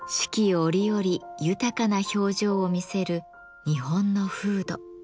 折々豊かな表情を見せる日本の風土。